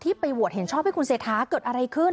ไปโหวตเห็นชอบให้คุณเศรษฐาเกิดอะไรขึ้น